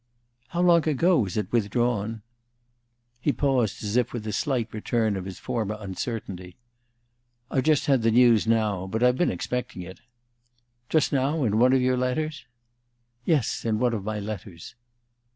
"How long ago was it withdrawn?" He paused, as if with a slight return of his former uncertainty. "I've just had the news now; but I've been expecting it." "Just now in one of your letters?" "Yes; in one of my letters."